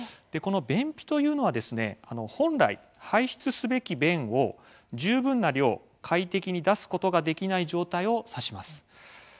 この便秘というのは本来、排出すべき便を十分な量快適に出すことができない状態を指します。